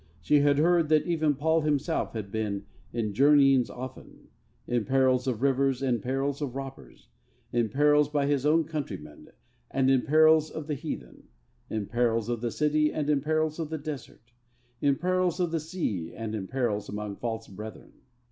She had heard that even Paul himself had been 'in journeyings often, in perils of rivers and in perils of robbers, in perils by his own countrymen and in perils of the heathen, in perils of the city and in perils of the desert, in perils of the sea and in perils among false brethren.'